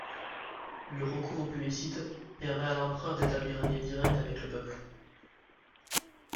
Le recours au plébiscite permet à l’Empereur d’établir un lien direct avec le peuple.